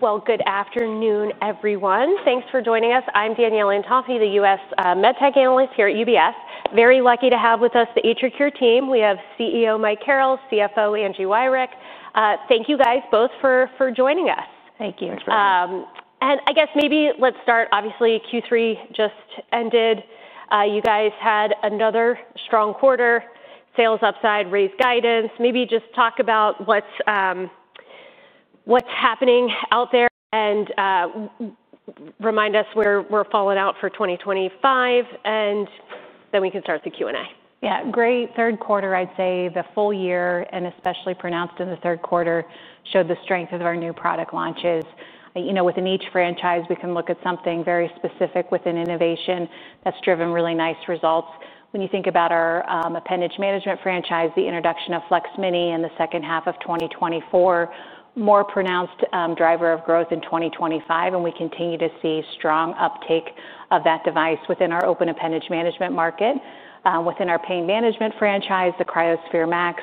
Good afternoon, everyone. Thanks for joining us. I'm Danielle Antalffy, the U.S. med tech analyst here at UBS. Very lucky to have with us the AtriCure team. We have CEO Mike Carrel, CFO Angie Wirick. Thank you, guys, both for joining us. Thank you. I guess maybe let's start. Obviously, Q3 just ended. You guys had another strong quarter. Sales upside, raised guidance. Maybe just talk about what's happening out there and remind us where we're falling out for 2025, and then we can start the Q&A. Yeah, great third quarter, I'd say. The full year, and especially pronounced in the third quarter, showed the strength of our new product launches. You know, within each franchise, we can look at something very specific within innovation that's driven really nice results. When you think about our appendage management franchise, the introduction of Flex Mini in the second half of 2024, more pronounced driver of growth in 2025, and we continue to see strong uptake of that device within our open appendage management market. Within our pain management franchise, the cryoSphere Max,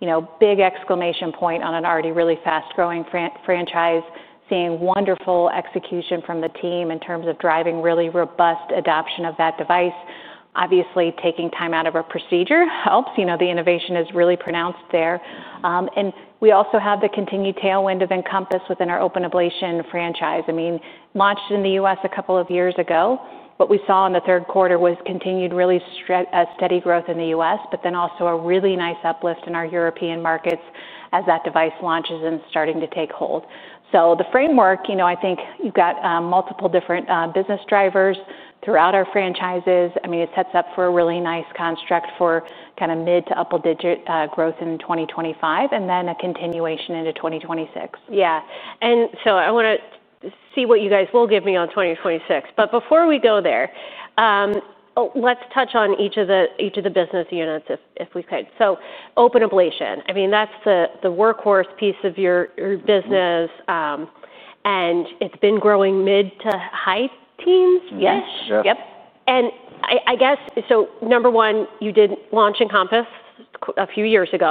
you know, big exclamation point on an already really fast-growing franchise, seeing wonderful execution from the team in terms of driving really robust adoption of that device. Obviously, taking time out of a procedure helps. You know, the innovation is really pronounced there. We also have the continued tailwind of Encompass within our open ablation franchise. I mean, launched in the U.S. a couple of years ago, what we saw in the third quarter was continued really steady growth in the U.S., but then also a really nice uplift in our European markets as that device launches and starting to take hold. The framework, you know, I think you've got multiple different business drivers throughout our franchises. I mean, it sets up for a really nice construct for kind of mid to upper digit growth in 2025, and then a continuation into 2026. Yeah. I want to see what you guys will give me on 2026. Before we go there, let's touch on each of the business units if we could. Open ablation, I mean, that's the workhorse piece of your business, and it's been growing mid to high teens, right? Yep. I guess, number one, you did launch Encompass a few years ago.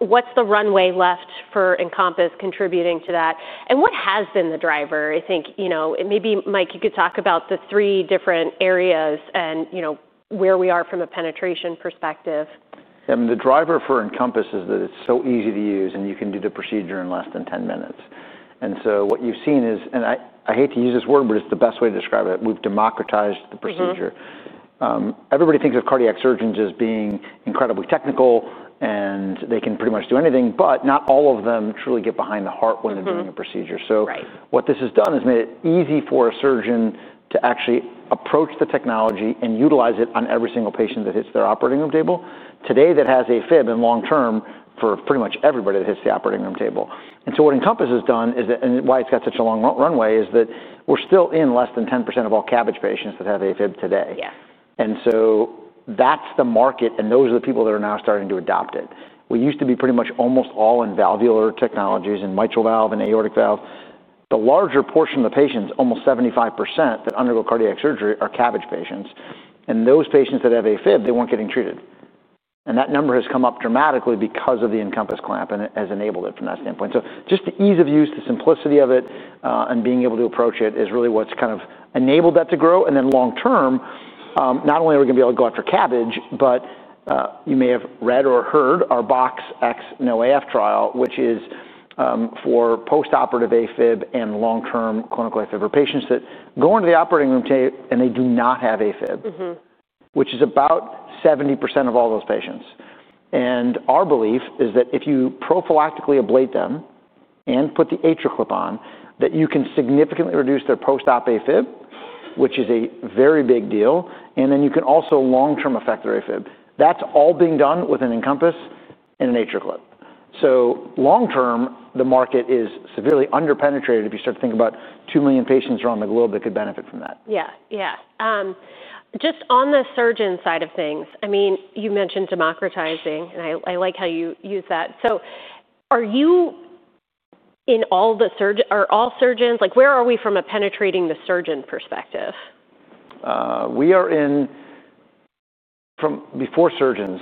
What is the runway left for Encompass contributing to that? What has been the driver? I think, you know, maybe Mike, you could talk about the three different areas and, you know, where we are from a penetration perspective. Yeah, I mean, the driver for Encompass is that it's so easy to use and you can do the procedure in less than 10 minutes. What you've seen is, and I hate to use this word, but it's the best way to describe it. We've democratized the procedure. Everybody thinks of cardiac surgeons as being incredibly technical and they can pretty much do anything, but not all of them truly get behind the heart when they're doing a procedure. What this has done is made it easy for a surgeon to actually approach the technology and utilize it on every single patient that hits their operating room table today that has AFib and long-term for pretty much everybody that hits the operating room table. What Encompass has done is that, and why it's got such a long runway is that we're still in less than 10% of all CABG patients that have AFib today. That's the market and those are the people that are now starting to adopt it. We used to be pretty much almost all in valvular technologies and mitral valve and aortic valve. The larger portion of the patients, almost 75% that undergo cardiac surgery are CABG patients. Those patients that have AFib, they weren't getting treated. That number has come up dramatically because of the Encompass clamp and has enabled it from that standpoint. Just the ease of use, the simplicity of it, and being able to approach it is really what's kind of enabled that to grow. Long-term, not only are we going to be able to go after CABG, but you may have read or heard our Box X No AF trial, which is for post-operative AFib and long-term clinical AFib for patients that go into the operating room today and they do not have AFib, which is about 70% of all those patients. Our belief is that if you prophylactically ablate them and put the AtriClip on, you can significantly reduce their post-op AFib, which is a very big deal, and you can also long-term affect their AFib. That is all being done with an Encompass and an AtriClip. Long-term, the market is severely underpenetrated if you start to think about 2 million patients around the globe that could benefit from that. Yeah, yeah. Just on the surgeon side of things, I mean, you mentioned democratizing, and I like how you use that. Are you in all the surgeons, like where are we from a penetrating the surgeon perspective? We are in from before surgeons,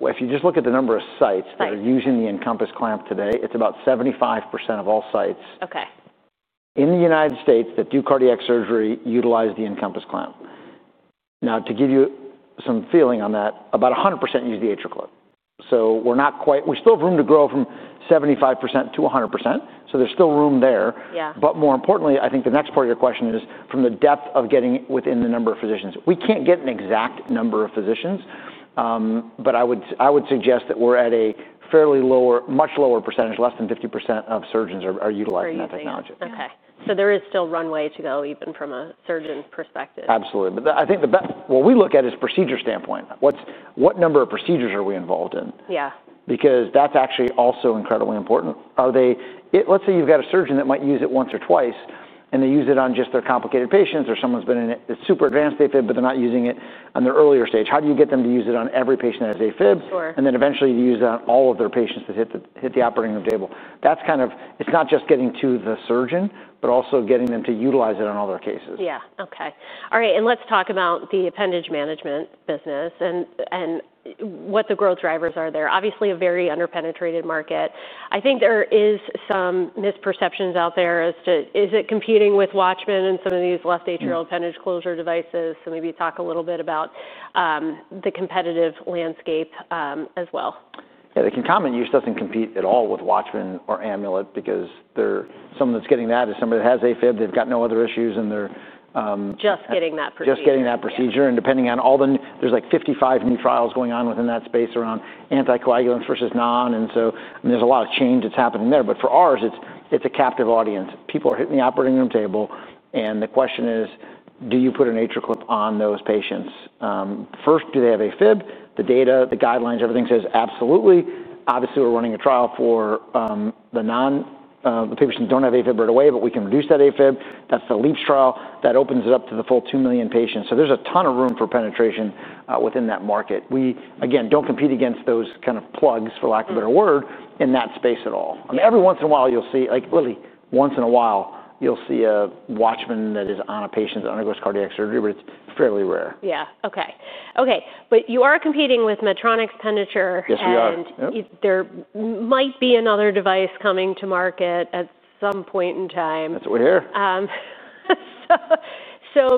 if you just look at the number of sites that are using the Encompass clamp today, it's about 75% of all sites in the United States that do cardiac surgery utilize the Encompass clamp. Now, to give you some feeling on that, about 100% use the AtriClip. We are not quite, we still have room to grow from 75% to 100%. There is still room there. More importantly, I think the next part of your question is from the depth of getting within the number of physicians. We can't get an exact number of physicians, but I would suggest that we're at a fairly lower, much lower percentage, less than 50% of surgeons are utilizing that technology. Okay. So there is still runway to go even from a surgeon perspective. Absolutely. I think the best, what we look at is procedure standpoint. What number of procedures are we involved in? Yeah, because that's actually also incredibly important. Are they, let's say you've got a surgeon that might use it once or twice and they use it on just their complicated patients or someone's been in a super advanced AFib, but they're not using it on their earlier stage. How do you get them to use it on every patient that has AFib? Eventually you use it on all of their patients that hit the operating room table. That's kind of, it's not just getting to the surgeon, but also getting them to utilize it on all their cases. Yeah. Okay. All right. Let's talk about the appendage management business and what the growth drivers are there. Obviously, a very underpenetrated market. I think there are some misperceptions out there as to, is it competing with Watchman and some of these left atrial appendage closure devices? Maybe talk a little bit about the competitive landscape as well. Yeah, the concomitant use doesn't compete at all with Watchman or Amulet because there. Someone that's getting that is somebody that has AFib, they've got no other issues and they're. Just getting that procedure. Just getting that procedure. Depending on all the, there's like 55 new trials going on within that space around anticoagulants versus non. There is a lot of change that's happening there. For ours, it's a captive audience. People are hitting the operating room table and the question is, do you put an AtriClip on those patients? First, do they have AFib? The data, the guidelines, everything says absolutely. Obviously, we're running a trial for the non, the patients who do not have AFib right away, but we can reduce that AFib. That's the LEAPS trial that opens it up to the full 2 million patients. There is a ton of room for penetration within that market. We, again, do not compete against those kind of plugs, for lack of a better word, in that space at all. I mean, every once in a while you'll see, like really once in a while, you'll see a Watchman that is on a patient that undergoes cardiac surgery, but it's fairly rare. Yeah. Okay. Okay. You are competing with Medtronic's Penetra. Yes, we are. There might be another device coming to market at some point in time. That's what we hear.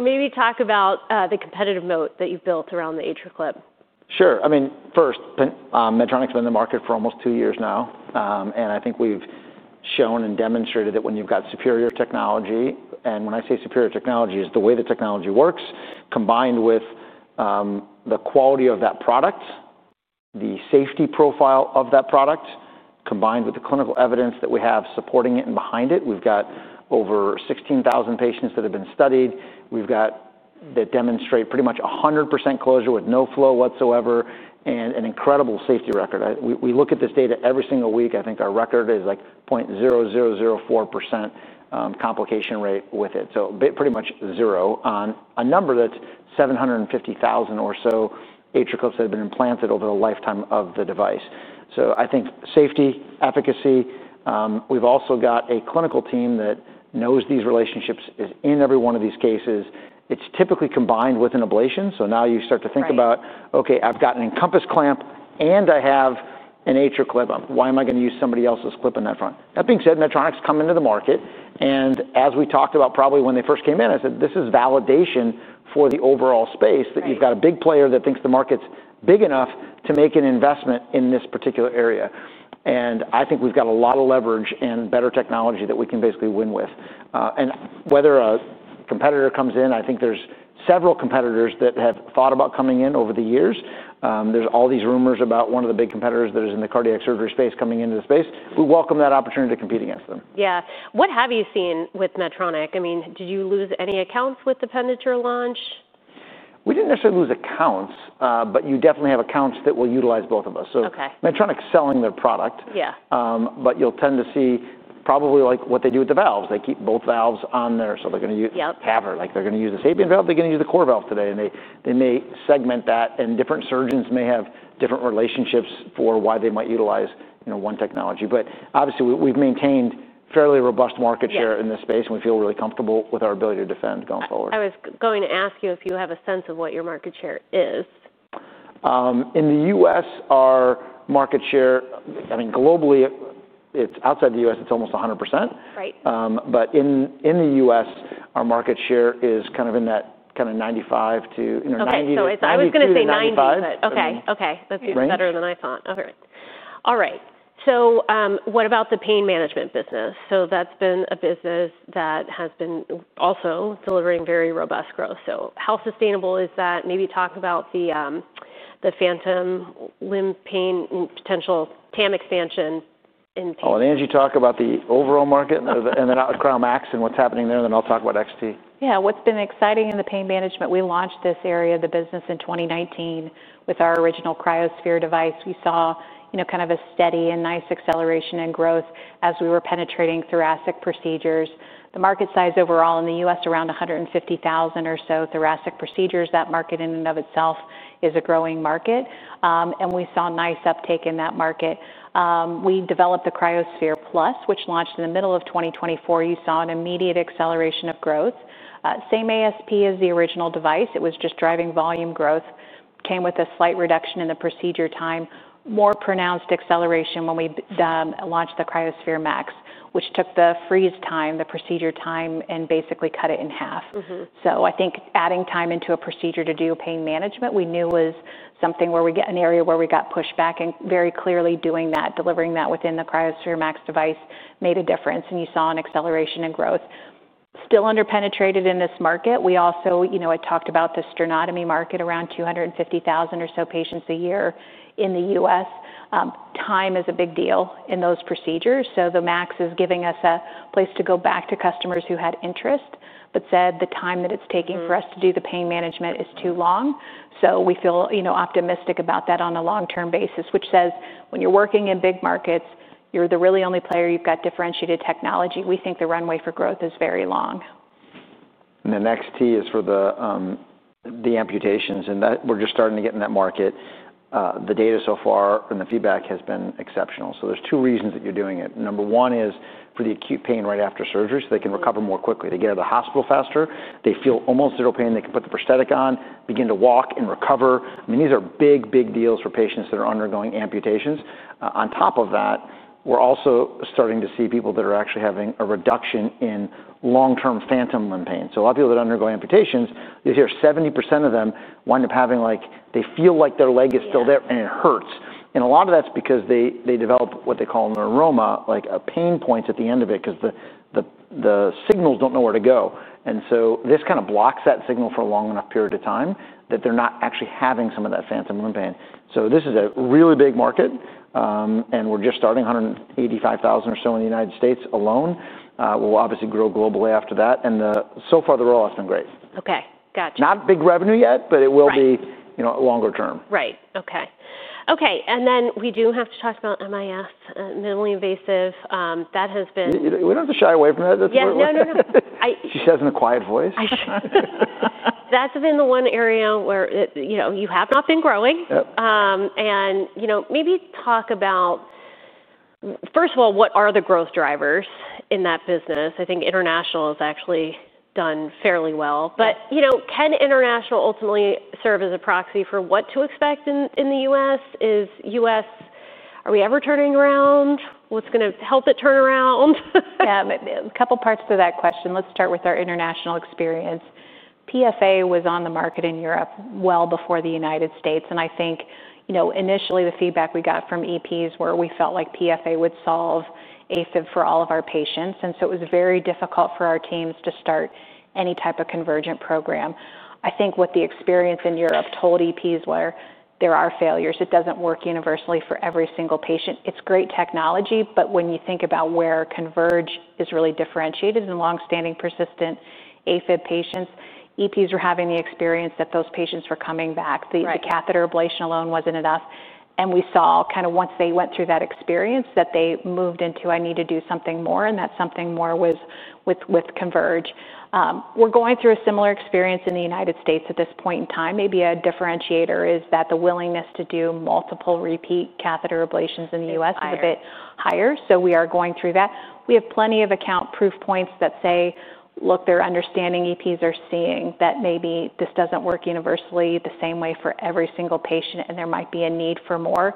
Maybe talk about the competitive moat that you've built around the AtriClip. Sure. I mean, first, Medtronic's been in the market for almost two years now. I think we've shown and demonstrated that when you've got superior technology, and when I say superior technology, it's the way the technology works, combined with the quality of that product, the safety profile of that product, combined with the clinical evidence that we have supporting it and behind it. We've got over 16,000 patients that have been studied. We've got that demonstrate pretty much 100% closure with no flow whatsoever and an incredible safety record. We look at this data every single week. I think our record is like 0.0004% complication rate with it. Pretty much zero on a number that's 750,000 or so AtriClips that have been implanted over the lifetime of the device. I think safety, efficacy, we've also got a clinical team that knows these relationships is in every one of these cases. It's typically combined with an ablation. Now you start to think about, okay, I've got an Encompass clamp and I have an AtriClip. Why am I going to use somebody else's clip in that front? That being said, Medtronic's come into the market and as we talked about probably when they first came in, I said, this is validation for the overall space that you've got a big player that thinks the market's big enough to make an investment in this particular area. I think we've got a lot of leverage and better technology that we can basically win with. Whether a competitor comes in, I think there's several competitors that have thought about coming in over the years. There's all these rumors about one of the big competitors that is in the cardiac surgery space coming into the space. We welcome that opportunity to compete against them. Yeah. What have you seen with Medtronic? I mean, did you lose any accounts with the Penetra launch? We didn't necessarily lose accounts, but you definitely have accounts that will utilize both of us. Medtronic's selling their product, but you'll tend to see probably like what they do with the valves. They keep both valves on there. They're going to use TAVR. Like they're going to use the Sapien valve, they're going to use the CoreValve today. They may segment that and different surgeons may have different relationships for why they might utilize one technology. Obviously, we've maintained fairly robust market share in this space and we feel really comfortable with our ability to defend going forward. I was going to ask you if you have a sense of what your market share is. In the U.S., our market share, I mean, globally, it's outside the U.S., it's almost 100%. But in the U.S., our market share is kind of in that kind of 95-90%. Okay. I was going to say 90, but okay. That seems better than I thought. All right. What about the pain management business? That has been a business that has been also delivering very robust growth. How sustainable is that? Maybe talk about the phantom limb pain potential TAM expansion in pain. Oh, and Angie, talk about the overall market and then cryoSphere Max and what's happening there, and then I'll talk about cryoXT. Yeah. What's been exciting in the pain management, we launched this area of the business in 2019 with our original cryoSphere device. We saw kind of a steady and nice acceleration in growth as we were penetrating thoracic procedures. The market size overall in the U.S., around 150,000 or so thoracic procedures. That market in and of itself is a growing market. We saw nice uptake in that market. We developed the cryoSphere Plus, which launched in the middle of 2024. You saw an immediate acceleration of growth. Same ASP as the original device. It was just driving volume growth. Came with a slight reduction in the procedure time, more pronounced acceleration when we launched the cryoSphere Max, which took the freeze time, the procedure time, and basically cut it in half. I think adding time into a procedure to do pain management, we knew was something where we get an area where we got pushback and very clearly doing that, delivering that within the cryoSphere Max device made a difference. You saw an acceleration in growth. Still underpenetrated in this market. We also, you know, I talked about the sternotomy market, around 250,000 or so patients a year in the U.S. Time is a big deal in those procedures. The Max is giving us a place to go back to customers who had interest, but said the time that it's taking for us to do the pain management is too long. We feel optimistic about that on a long-term basis, which says when you're working in big markets, you're the really only player. You've got differentiated technology. We think the runway for growth is very long. XT is for the amputations. We're just starting to get in that market. The data so far and the feedback has been exceptional. There are two reasons that you're doing it. Number one is for the acute pain right after surgery so they can recover more quickly. They get out of the hospital faster. They feel almost zero pain. They can put the prosthetic on, begin to walk and recover. I mean, these are big, big deals for patients that are undergoing amputations. On top of that, we're also starting to see people that are actually having a reduction in long-term phantom limb pain. A lot of people that undergo amputations, you hear 70% of thecrym wind up having like they feel like their leg is still there and it hurts. A lot of that's because they develop what they call neuroma, like a pain point at the end of it because the signals don't know where to go. This kind of blocks that signal for a long enough period of time that they're not actually having some of that phantom limb pain. This is a really big market. We're just starting, 185,000 or so in the United States alone. We'll obviously grow globally after that. So far the roll-up has been great. Okay. Gotcha. Not big revenue yet, but it will be longer term. Right. Okay. Okay. We do have to talk about MIS, minimally invasive. That has been. We don't have to shy away from that. Yeah. No. She says in a quiet voice. That's been the one area where you have not been growing. Maybe talk about, first of all, what are the growth drivers in that business? I think international has actually done fairly well. Can international ultimately serve as a proxy for what to expect in the U.S.? Is U.S., are we ever turning around? What's going to help it turn around? Yeah. A couple of parts to that question. Let's start with our international experience. PFA was on the market in Europe well before the United States. I think initially the feedback we got from EPs was we felt like PFA would solve AFib for all of our patients. It was very difficult for our teams to start any type of convergent program. I think what the experience in Europe told EPs was there are failures. It does not work universally for every single patient. It is great technology, but when you think about where Converge is really differentiated in long-standing persistent AFib patients, EPs were having the experience that those patients were coming back. The catheter ablation alone was not enough. We saw once they went through that experience that they moved into, I need to do something more. That something more was with Converge. We're going through a similar experience in the U.S. at this point in time. Maybe a differentiator is that the willingness to do multiple repeat catheter ablations in the U.S. is a bit higher. So we are going through that. We have plenty of account proof points that say, look, they're understanding EPs are seeing that maybe this doesn't work universally the same way for every single patient and there might be a need for more.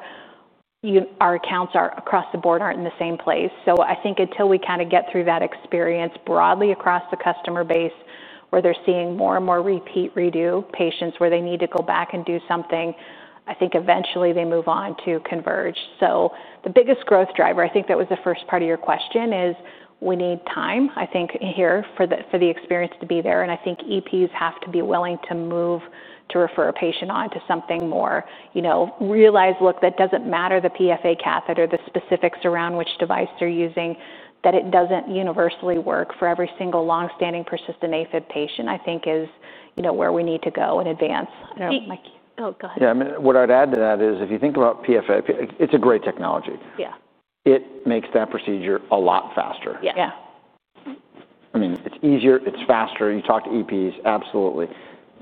Our accounts across the board aren't in the same place. I think until we kind of get through that experience broadly across the customer base where they're seeing more and more repeat redo patients where they need to go back and do something, I think eventually they move on to Converge. The biggest growth driver, I think that was the first part of your question, is we need time, I think, here for the experience to be there. I think EPs have to be willing to move to refer a patient on to something more. Realize, look, that does not matter, the PFA catheter, the specifics around which device they are using, that it does not universally work for every single long-standing persistent AFib patient, I think is where we need to go in advance. Oh, go ahead. Yeah. I mean, what I'd add to that is if you think about PFA, it's a great technology. It makes that procedure a lot faster. I mean, it's easier, it's faster. You talk to EPs, absolutely.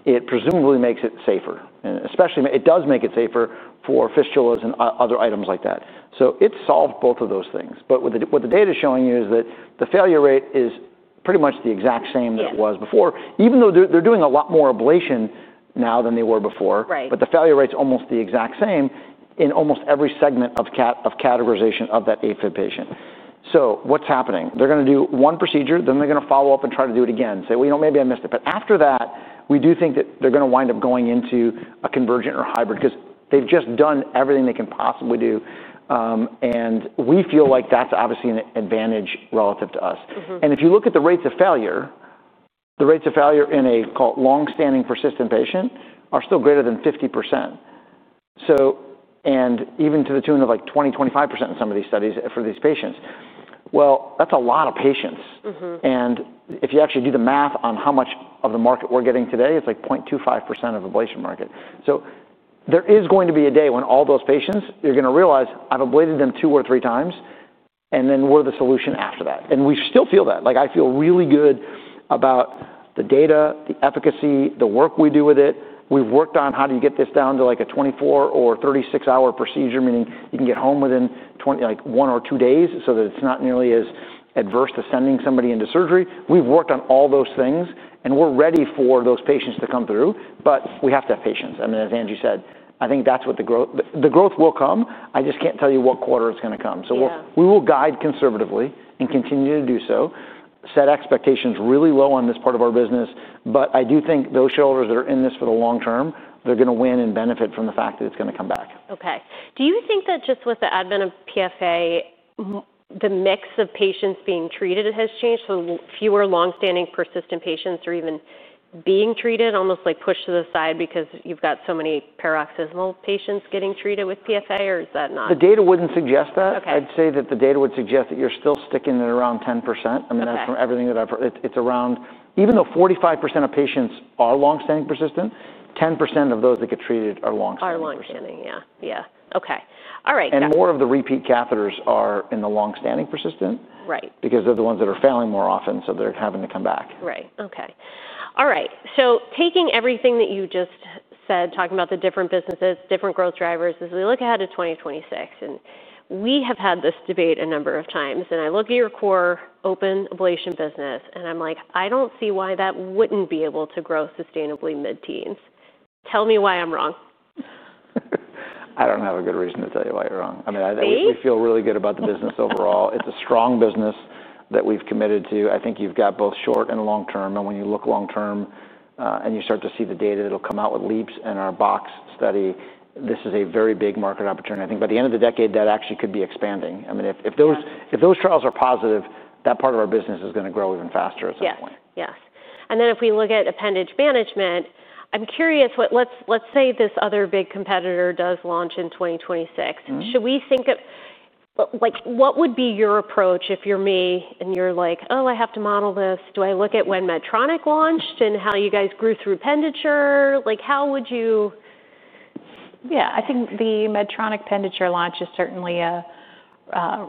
It presumably makes it safer. Especially it does make it safer for fistulas and other items like that. It solved both of those things. What the data is showing you is that the failure rate is pretty much the exact same that it was before. Even though they're doing a lot more ablation now than they were before, the failure rate's almost the exact same in almost every segment of categorization of that AFib patient. What's happening? They're going to do one procedure, then they're going to follow up and try to do it again. Say, you know, maybe I missed it. After that, we do think that they're going to wind up going into a convergent or hybrid because they've just done everything they can possibly do. We feel like that's obviously an advantage relative to us. If you look at the rates of failure, the rates of failure in a long-standing persistent patient are still greater than 50%. Even to the tune of like 20-25% in some of these studies for these patients. That's a lot of patients. If you actually do the math on how much of the market we're getting today, it's like 0.25% of ablation market. There is going to be a day when all those patients, you're going to realize I've ablated them two or three times and then we're the solution after that. We still feel that. Like I feel really good about the data, the efficacy, the work we do with it. We've worked on how do you get this down to like a 24- or 36-hour procedure, meaning you can get home within like one or two days so that it's not nearly as adverse to sending somebody into surgery. We've worked on all those things and we're ready for those patients to come through, but we have to have patients. I mean, as Angie said, I think that's what the growth, the growth will come. I just can't tell you what quarter it's going to come. We will guide conservatively and continue to do so. Set expectations really low on this part of our business, but I do think those shoulders that are in this for the long term, they're going to win and benefit from the fact that it's going to come back. Okay. Do you think that just with the advent of PFA, the mix of patients being treated has changed? So fewer long-standing persistent patients are even being treated, almost like pushed to the side because you've got so many paroxysmal patients getting treated with PFA, or is that not? The data wouldn't suggest that. I'd say that the data would suggest that you're still sticking at around 10%. I mean, that's from everything that I've heard. Even though 45% of patients are long-standing persistent, 10% of those that get treated are long-standing persistent. Are long-standing. Yeah. Okay. All right. More of the repeat catheters are in the long-standing persistent because they're the ones that are failing more often, so they're having to come back. Right. Okay. All right. Taking everything that you just said, talking about the different businesses, different growth drivers, as we look ahead to 2026, and we have had this debate a number of times, and I look at your core open ablation business and I'm like, I don't see why that wouldn't be able to grow sustainably mid-teens. Tell me why I'm wrong. I don't have a good reason to tell you why you're wrong. I mean, we feel really good about the business overall. It's a strong business that we've committed to. I think you've got both short and long term. When you look long term and you start to see the data that'll come out with LEAPS and our BOX study, this is a very big market opportunity. I think by the end of the decade, that actually could be expanding. I mean, if those trials are positive, that part of our business is going to grow even faster at some point. Yes. Yes. If we look at appendage management, I'm curious, let's say this other big competitor does launch in 2026. Should we think of what would be your approach if you're me and you're like, oh, I have to model this? Do I look at when Medtronic launched and how you guys grew through appendage? Like how would you? Yeah. I think the Medtronic Penetra launch is certainly a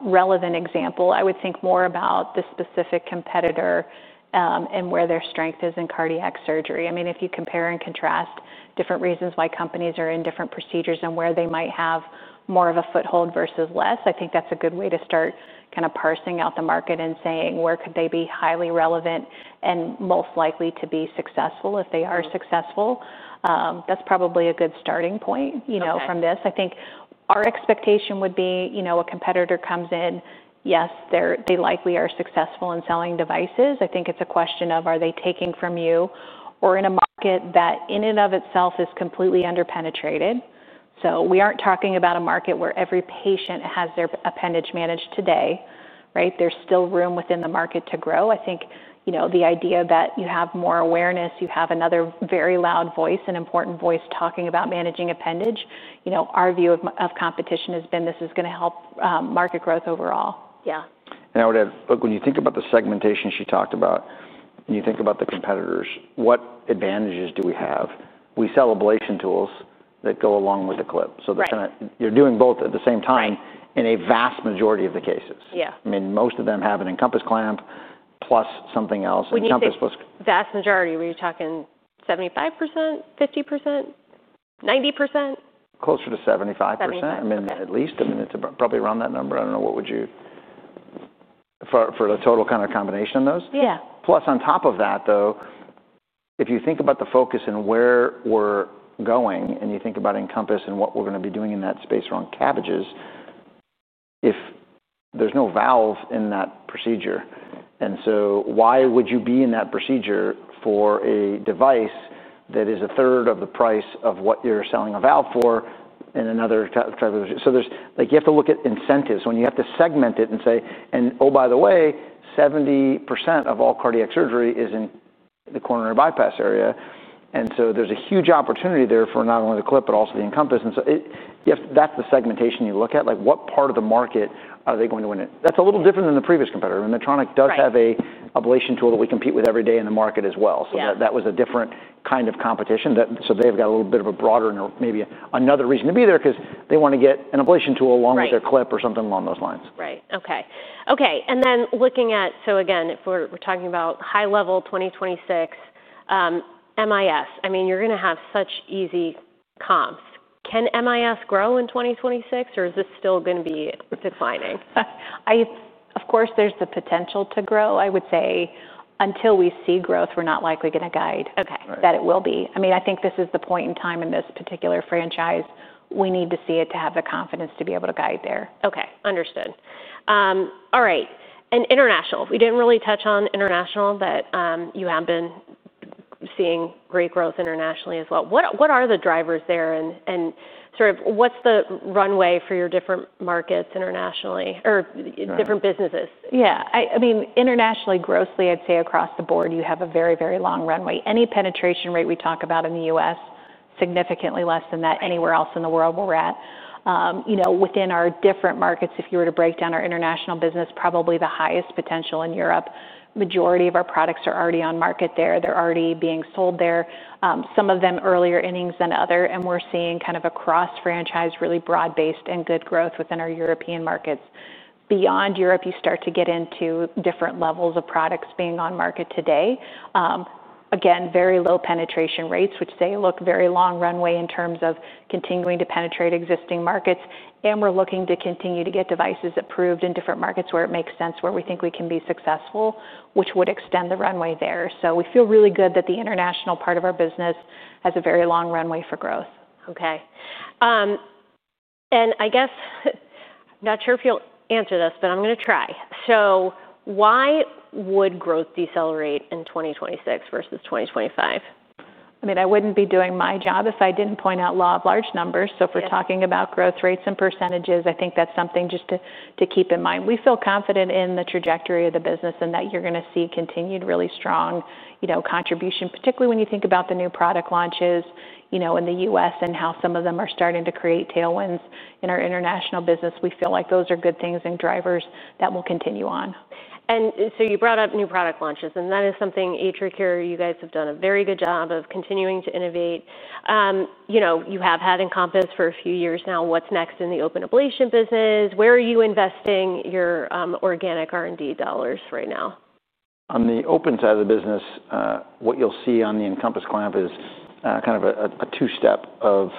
relevant example. I would think more about the specific competitor and where their strength is in cardiac surgery. I mean, if you compare and contrast different reasons why companies are in different procedures and where they might have more of a foothold versus less, I think that's a good way to start kind of parsing out the market and saying where could they be highly relevant and most likely to be successful if they are successful. That's probably a good starting point from this. I think our expectation would be a competitor comes in, yes, they likely are successful in selling devices. I think it's a question of are they taking from you? We're in a market that in and of itself is completely underpenetrated. We aren't talking about a market where every patient has their appendage managed today, right? There's still room within the market to grow. I think the idea that you have more awareness, you have another very loud voice, an important voice talking about managing appendage. Our view of competition has been this is going to help market growth overall. Yeah. I would add, look, when you think about the segmentation she talked about, when you think about the competitors, what advantages do we have? We sell ablation tools that go along with the clip. So they're kind of, you're doing both at the same time in a vast majority of the cases. I mean, most of them have an Encompass clamp plus something else. When you say vast majority, were you talking 75%, 50%, 90%? Closer to 75%. I mean, at least, I mean, it's probably around that number. I don't know what would you, for the total kind of combination on those. Yeah. Plus on top of that, though, if you think about the focus and where we're going and you think about Encompass and what we're going to be doing in that space around CABG, if there's no valve in that procedure. Why would you be in that procedure for a device that is a third of the price of what you're selling a valve for in another type of procedure? You have to look at incentives when you have to segment it and say, and oh, by the way, 70% of all cardiac surgery is in the coronary bypass area. There's a huge opportunity there for not only the clip, but also the Encompass. That's the segmentation you look at. Like what part of the market are they going to win it? That's a little different than the previous competitor. I mean, Medtronic does have an ablation tool that we compete with every day in the market as well. That was a different kind of competition. They've got a little bit of a broader and maybe another reason to be there because they want to get an ablation tool along with their clip or something along those lines. Right. Okay. Okay. And then looking at, so again, if we're talking about high-level 2026 MIS, I mean, you're going to have such easy comps. Can MIS grow in 2026 or is this still going to be declining? Of course, there's the potential to grow. I would say until we see growth, we're not likely going to guide that it will be. I mean, I think this is the point in time in this particular franchise. We need to see it to have the confidence to be able to guide there. Okay. Understood. All right. International, we did not really touch on international, but you have been seeing great growth internationally as well. What are the drivers there and sort of what is the runway for your different markets internationally or different businesses? Yeah. I mean, internationally, grossly, I'd say across the board, you have a very, very long runway. Any penetration rate we talk about in the U.S., significantly less than that anywhere else in the world where we're at. Within our different markets, if you were to break down our international business, probably the highest potential in Europe. Majority of our products are already on market there. They're already being sold there. Some of them earlier innings than other. And we're seeing kind of across franchise, really broad-based and good growth within our European markets. Beyond Europe, you start to get into different levels of products being on market today. Again, very low penetration rates, which they look very long runway in terms of continuing to penetrate existing markets. We're looking to continue to get devices approved in different markets where it makes sense, where we think we can be successful, which would extend the runway there. We feel really good that the international part of our business has a very long runway for growth. Okay. I guess I'm not sure if you'll answer this, but I'm going to try. Why would growth decelerate in 2026 versus 2025? I mean, I wouldn't be doing my job if I didn't point out law of large numbers. If we're talking about growth rates and percentages, I think that's something just to keep in mind. We feel confident in the trajectory of the business and that you're going to see continued really strong contribution, particularly when you think about the new product launches in the U.S. and how some of them are starting to create tailwinds in our international business. We feel like those are good things and drivers that will continue on. You brought up new product launches, and that is something AtriCure, you guys have done a very good job of continuing to innovate. You have had Encompass for a few years now. What's next in the open ablation business? Where are you investing your organic R&D dollars right now? On the open side of the business, what you'll see on the Encompass clamp is kind of a two-step of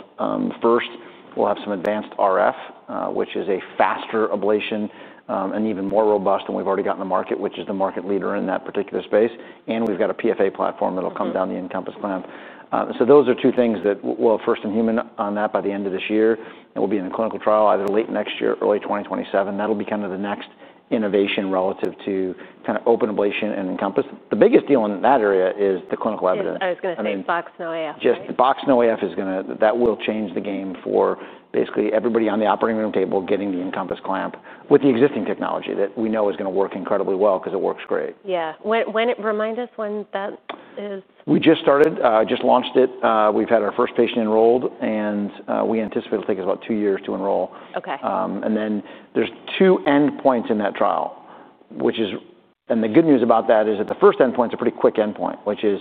first, we'll have some advanced RF, which is a faster ablation and even more robust than we've already got in the market, which is the market leader in that particular space. We've got a PFA platform that'll come down the Encompass clamp. Those are two things that we'll have first in human on that by the end of this year. It will be in a clinical trial either late next year or early 2027. That'll be kind of the next innovation relative to kind of open ablation and Encompass. The biggest deal in that area is the clinical evidence. I was going to say box no AF. Just box no AF is going to, that will change the game for basically everybody on the operating room table getting the Encompass clamp with the existing technology that we know is going to work incredibly well because it works great. Yeah. Remind us when that is. We just started, just launched it. We've had our first patient enrolled and we anticipate it'll take us about two years to enroll. There are two endpoints in that trial, which is, and the good news about that is that the first endpoint is a pretty quick endpoint, which is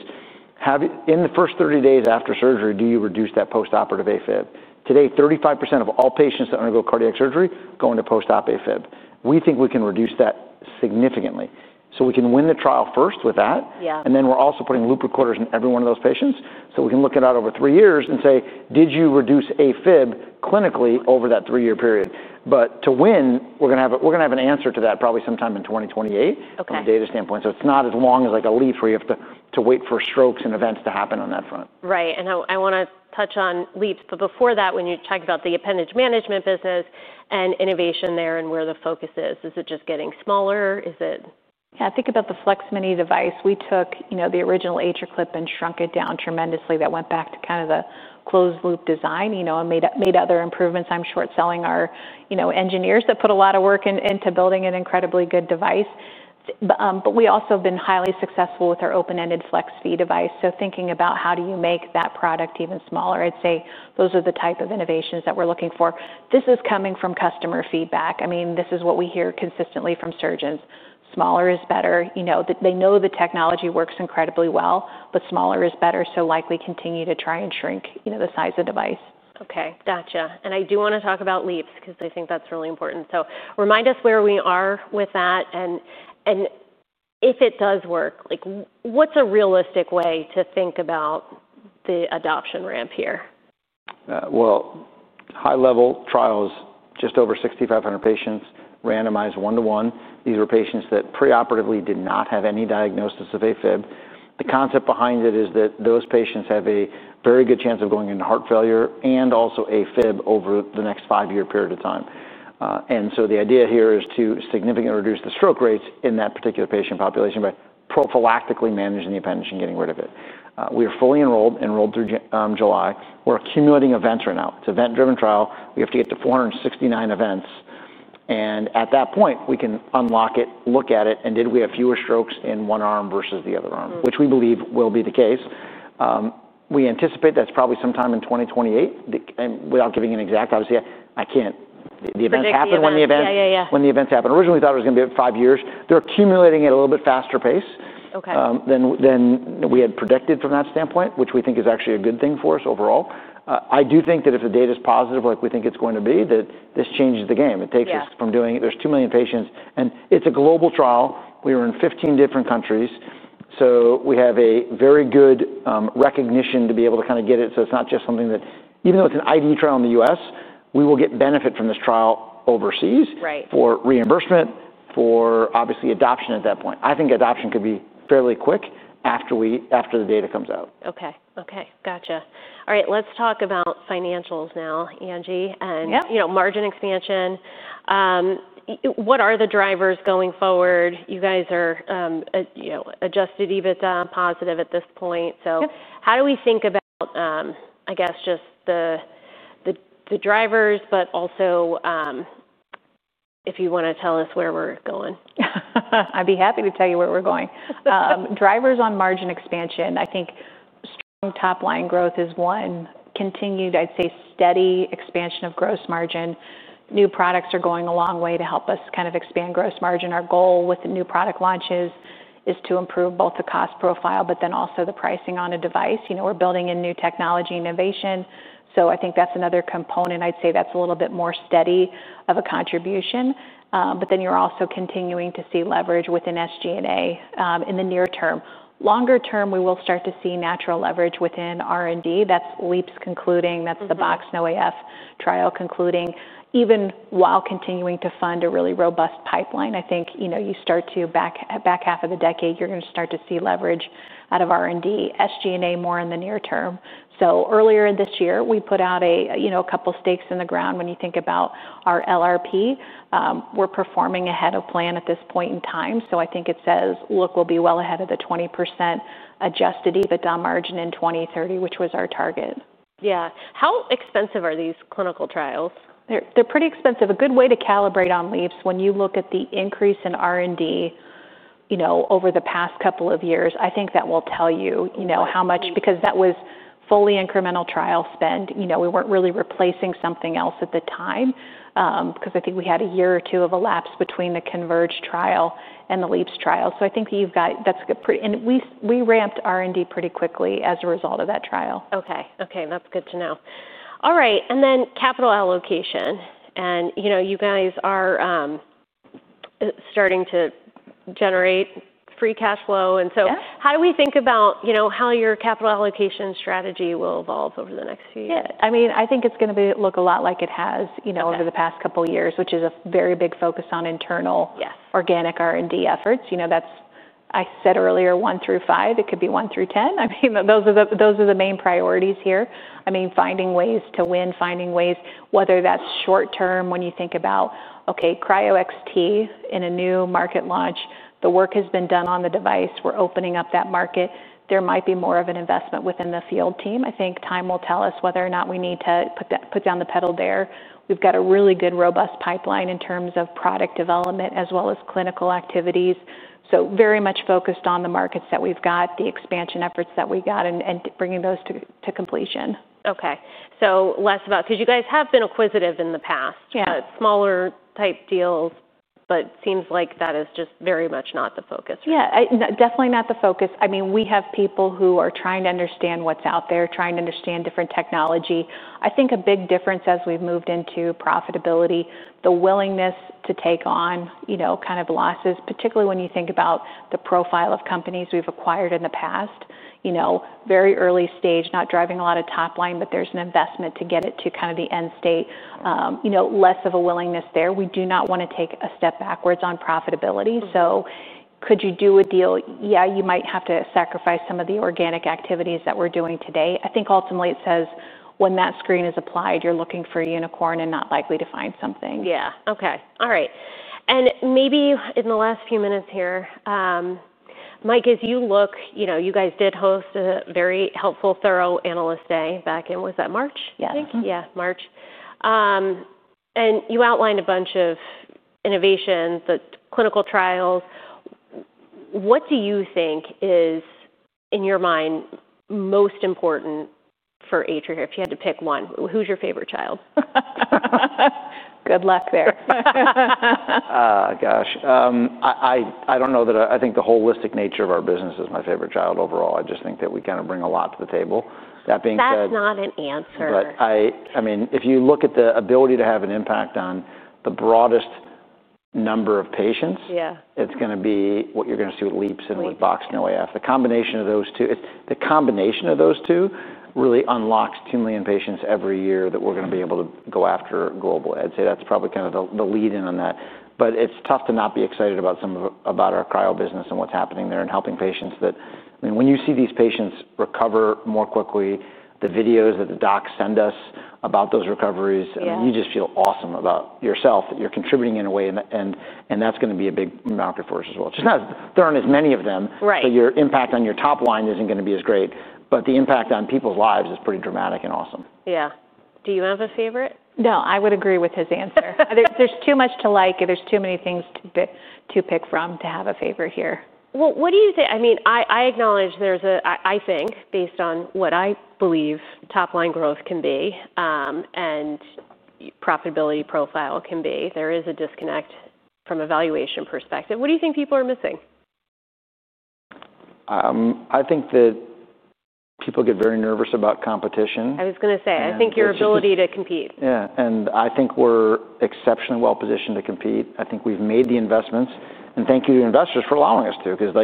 in the first 30 days after surgery, do you reduce that postoperative AFib? Today, 35% of all patients that undergo cardiac surgery go into postop AFib. We think we can reduce that significantly. We can win the trial first with that. We are also putting loop recorders in every one of those patients. We can look at it out over three years and say, did you reduce AFib clinically over that three-year period? To win, we're going to have an answer to that probably sometime in 2028 from a data standpoint. It's not as long as like a LEAPS where you have to wait for strokes and events to happen on that front. Right. I want to touch on LEAPS, but before that, when you talked about the appendage management business and innovation there and where the focus is, is it just getting smaller? Is it? Yeah. I think about the Flex Mini device. We took the original AtriClip and shrunk it down tremendously. That went back to kind of the closed loop design and made other improvements. I'm sure it's selling our engineers that put a lot of work into building an incredibly good device. We also have been highly successful with our open-ended FlexV device. Thinking about how do you make that product even smaller, I'd say those are the type of innovations that we're looking for. This is coming from customer feedback. I mean, this is what we hear consistently from surgeons. Smaller is better. They know the technology works incredibly well, but smaller is better, so likely continue to try and shrink the size of the device. Okay. Gotcha. I do want to talk about LEAPS because I think that's really important. Remind us where we are with that. If it does work, what's a realistic way to think about the adoption ramp here? High-level trials, just over 6,500 patients, randomized one-to-one. These were patients that preoperatively did not have any diagnosis of AFib. The concept behind it is that those patients have a very good chance of going into heart failure and also AFib over the next five-year period of time. The idea here is to significantly reduce the stroke rates in that particular patient population by prophylactically managing the appendage and getting rid of it. We are fully enrolled, enrolled through July. We're accumulating events right now. It's an event-driven trial. We have to get to 469 events. At that point, we can unlock it, look at it, and did we have fewer strokes in one arm versus the other arm, which we believe will be the case. We anticipate that's probably sometime in 2028. Without giving an exact, obviously, I can't. The events happen when the events happen. Originally, we thought it was going to be five years. They're accumulating at a little bit faster pace than we had predicted from that standpoint, which we think is actually a good thing for us overall. I do think that if the data is positive, like we think it's going to be, that this changes the game. It takes us from doing it. There's two million patients. And it's a global trial. We were in 15 different countries. So we have a very good recognition to be able to kind of get it. So it's not just something that, even though it's an ID trial in the U.S., we will get benefit from this trial overseas for reimbursement, for obviously adoption at that point. I think adoption could be fairly quick after the data comes out. Okay. Okay. Gotcha. All right. Let's talk about financials now, Angie, and margin expansion. What are the drivers going forward? You guys are adjusted EBITDA positive at this point. How do we think about, I guess, just the drivers, but also if you want to tell us where we're going? I'd be happy to tell you where we're going. Drivers on margin expansion, I think strong top-line growth is one. Continued, I'd say, steady expansion of gross margin. New products are going a long way to help us kind of expand gross margin. Our goal with new product launches is to improve both the cost profile, but then also the pricing on a device. We're building in new technology innovation. I think that's another component. I'd say that's a little bit more steady of a contribution. You're also continuing to see leverage within SG&A in the near term. Longer term, we will start to see natural leverage within R&D. That's LEAPS concluding. That's the box no AF trial concluding. Even while continuing to fund a really robust pipeline, I think you start to back half of the decade, you're going to start to see leverage out of R&D. SG&A more in the near term. Earlier this year, we put out a couple of stakes in the ground. When you think about our LRP, we're performing ahead of plan at this point in time. I think it says, look, we'll be well ahead of the 20% adjusted EBITDA margin in 2030, which was our target. Yeah. How expensive are these clinical trials? They're pretty expensive. A good way to calibrate on LEAPS, when you look at the increase in R&D over the past couple of years, I think that will tell you how much, because that was fully incremental trial spend. We weren't really replacing something else at the time because I think we had a year or two of a lapse between the Converge trial and the LEAPS trial. I think that's pretty, and we ramped R&D pretty quickly as a result of that trial. Okay. Okay. That's good to know. All right. And then capital allocation. And you guys are starting to generate free cash flow. And so how do we think about how your capital allocation strategy will evolve over the next few years? Yeah. I mean, I think it's going to look a lot like it has over the past couple of years, which is a very big focus on internal organic R&D efforts. I said earlier, one through five, it could be one through ten. I mean, those are the main priorities here. I mean, finding ways to win, finding ways, whether that's short-term when you think about, okay, cryoXT in a new market launch, the work has been done on the device. We're opening up that market. There might be more of an investment within the field team. I think time will tell us whether or not we need to put down the pedal there. We've got a really good robust pipeline in terms of product development as well as clinical activities. Very much focused on the markets that we've got, the expansion efforts that we got, and bringing those to completion. Okay. Less about, because you guys have been acquisitive in the past, smaller type deals, but it seems like that is just very much not the focus right now. Yeah. Definitely not the focus. I mean, we have people who are trying to understand what's out there, trying to understand different technology. I think a big difference as we've moved into profitability, the willingness to take on kind of losses, particularly when you think about the profile of companies we've acquired in the past, very early stage, not driving a lot of top line, but there's an investment to get it to kind of the end state, less of a willingness there. We do not want to take a step backwards on profitability. Could you do a deal? Yeah, you might have to sacrifice some of the organic activities that we're doing today. I think ultimately it says, when that screen is applied, you're looking for a unicorn and not likely to find something. Yeah. Okay. All right. Maybe in the last few minutes here, Mike, as you look, you guys did host a very helpful, thorough analyst day back in, was that March? Yes. Yeah. March. You outlined a bunch of innovations, the clinical trials. What do you think is, in your mind, most important for AtriCure? If you had to pick one, who's your favorite child? Good luck there. Gosh. I don't know that I think the holistic nature of our business is my favorite child overall. I just think that we kind of bring a lot to the table. That being said. That's not an answer. I mean, if you look at the ability to have an impact on the broadest number of patients, it's going to be what you're going to see with LEAPS and with box no AF. The combination of those two, the combination of those two really unlocks 2 million patients every year that we're going to be able to go after globally. I'd say that's probably kind of the lead-in on that. It's tough to not be excited about our cryo business and what's happening there and helping patients that, I mean, when you see these patients recover more quickly, the videos that the docs send us about those recoveries, you just feel awesome about yourself that you're contributing in a way. That's going to be a big market for us as well. It's just not as, there aren't as many of them, so your impact on your top line isn't going to be as great. The impact on people's lives is pretty dramatic and awesome. Yeah. Do you have a favorite? No. I would agree with his answer. There's too much to like, and there's too many things to pick from to have a favorite here. What do you think? I mean, I acknowledge there's a, I think, based on what I believe top line growth can be and profitability profile can be, there is a disconnect from a valuation perspective. What do you think people are missing? I think that people get very nervous about competition. I was going to say, I think your ability to compete. Yeah. I think we're exceptionally well positioned to compete. I think we've made the investments. Thank you to investors for allowing us to because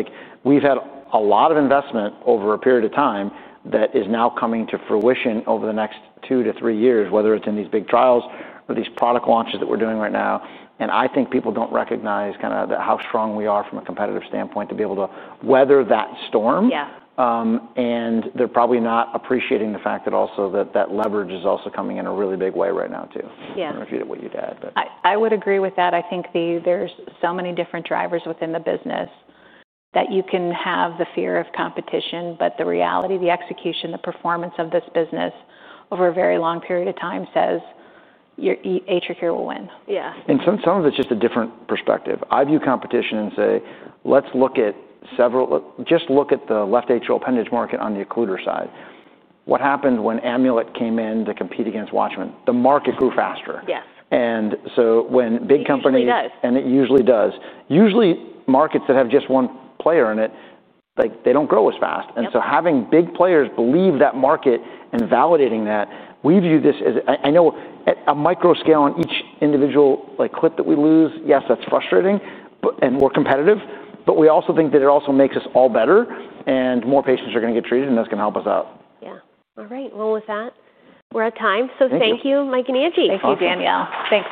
we've had a lot of investment over a period of time that is now coming to fruition over the next two to three years, whether it's in these big trials or these product launches that we're doing right now. I think people don't recognize kind of how strong we are from a competitive standpoint to be able to weather that storm. They're probably not appreciating the fact that also that leverage is also coming in a really big way right now too. I don't know if you did what you had, but. I would agree with that. I think there's so many different drivers within the business that you can have the fear of competition, but the reality, the execution, the performance of this business over a very long period of time says AtriCure will win. Some of it's just a different perspective. I view competition and say, let's look at several, just look at the left atrial appendage market on the occluder side. What happened when Amulet came in to compete against Watchman? The market grew faster. When big companies. It usually does. It usually does. Usually markets that have just one player in it, they do not grow as fast. Having big players believe that market and validating that, we view this as, I know at a micro scale on each individual clip that we lose, yes, that is frustrating and we are competitive, but we also think that it also makes us all better and more patients are going to get treated and that is going to help us out. Yeah. All right. With that, we're at time. Thank you, Mike and Angie. Thank you, Danielle. Thanks.